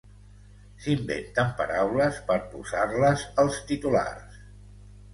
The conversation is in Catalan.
S'inventen paraules per posar-les als titulars.